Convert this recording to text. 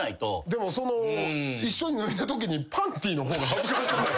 でも一緒に脱いだときにパンティーの方が恥ずかしくない？